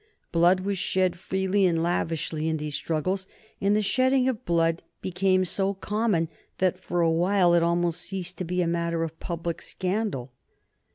Blood was shed freely and lavishly in these struggles, and the shedding of blood became so common that for a while it almost ceased to be a matter of public scandal.